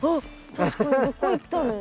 確かにどこ行ったの？